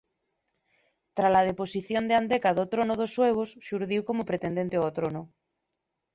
Trala deposición de Andeca do trono dos suevos xurdiu como pretendente ó trono.